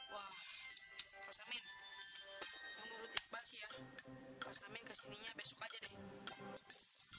wah pak samin yang menurut iqbal sih ya pak samin kesininya besok aja deh